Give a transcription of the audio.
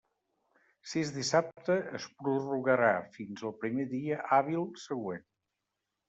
Si és dissabte, es prorrogarà fins al primer dia hàbil següent.